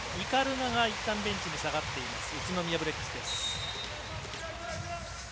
鵤がいったんベンチに下がっている宇都宮ブレックスです。